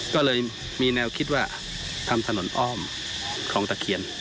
ก็เลยมีแนวคิดว่าทำถนนอ้อมคลองตะเคียน